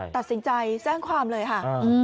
ตัดสินใจแจ้งความเลยค่ะ